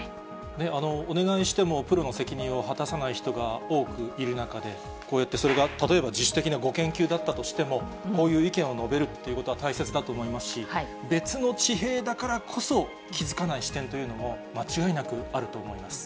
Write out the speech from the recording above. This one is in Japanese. お願いしてもプロの責任を果たさない人が多くいる中で、こうやってそれが、例えば、自主的なご研究だったとしても、こういう意見を述べるっていうことは大切だと思いますし、別の地平だからこそ、気付かない視点というのも、間違いなくあると思います。